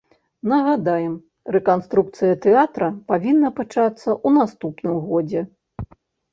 Нагадаем, рэканструкцыя тэатра павінна пачацца ў наступным годзе.